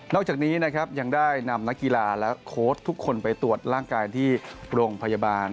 จากนี้นะครับยังได้นำนักกีฬาและโค้ชทุกคนไปตรวจร่างกายที่โรงพยาบาล